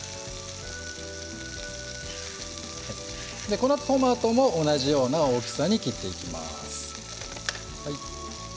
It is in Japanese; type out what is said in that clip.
このあとトマトも同じような大きさに切っていきます。